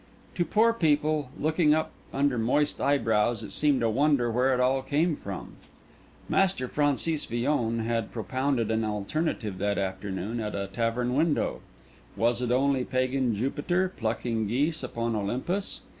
To poor people, looking up under moist eyebrows, it seemed a wonder where it all came from. Master Francis Villon had propounded an alternative that afternoon, at a tavern window: was it only Pagan Jupiter plucking geese upon Olympus?